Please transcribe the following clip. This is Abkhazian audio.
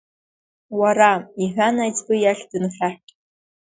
Уара, — иҳәан, аиҵбы иахь дынхьаҳәт…